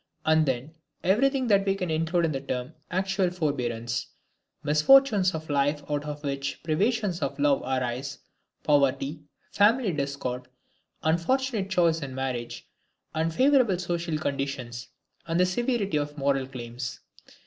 And then everything that we include in the term "actual forbearance" misfortunes of life out of which privations of love arise, poverty, family discord, unfortunate choice in marriage, unfavorable social conditions and the severity of moral claims.